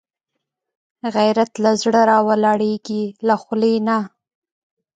غیرت له زړه راولاړېږي، له خولې نه